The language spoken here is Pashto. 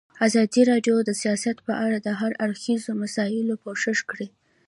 ازادي راډیو د سیاست په اړه د هر اړخیزو مسایلو پوښښ کړی.